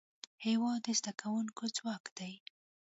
هېواد د زدهکوونکو ځواک دی.